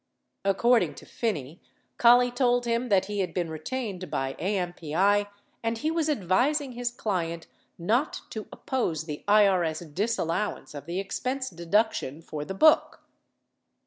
According to Phinney, Collie told him that he had been retained by AMPI and he was advising his client not to oppose the IRS disallowance of the expense deduction for the book.